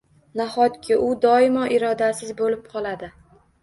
Nahotki u doimo irodasiz bo‘lib qoladi?